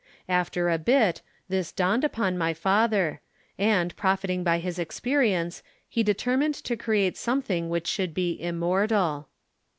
After a bit, this dawned upon my father; and, profiting by his experience, he determined to create something which should be immortal.